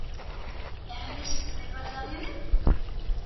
Ernest n’est pas arrivé ?…